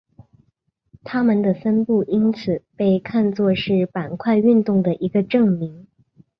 它们的分布因此被看作是板块运动的一个证明。